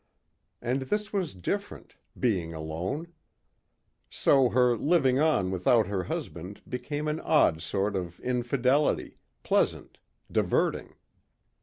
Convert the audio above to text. And this was different being alone. So her living on without her husband became an odd sort of infidelity, pleasant, diverting.